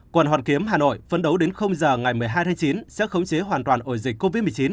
quận hoàn kiếm hà nội phấn đấu đến giờ ngày một mươi hai tháng chín sẽ khống chế hoàn toàn ổ dịch covid một mươi chín